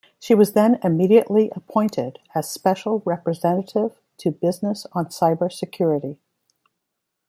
She was then immediately appointed as "Special Representative to Business on Cyber Security".